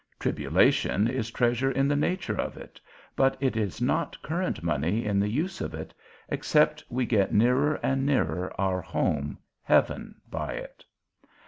Tribulation is treasure in the nature of it, but it is not current money in the use of it, except we get nearer and nearer our home, heaven, by it.